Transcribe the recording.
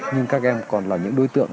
nhưng các em còn là những đối tượng